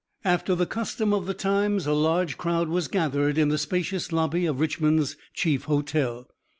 After the custom of the times a large crowd was gathered in the spacious lobby of Richmond's chief hotel.